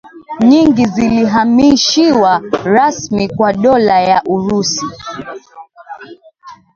nyingi zilihamishiwa rasmi kwa Dola ya Urusi